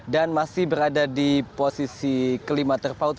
dan masih berada di posisi kelima terpaut